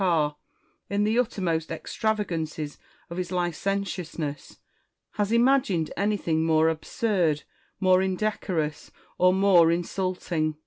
325 car, in the uttermost extravagance of his licentiousness, has imagined anything more absurd, more indecorous, or more insulting.